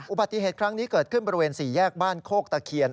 อุบัติเหตุครั้งนี้เกิดขึ้นบริเวณ๔แยกบ้านโคกตะเคียน